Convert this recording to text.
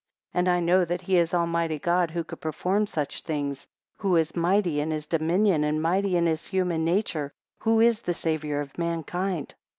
19 And I know now that he is Almighty God who could perform such things, who is mighty in his dominion, and mighty in his human nature, who is the Saviour of mankind.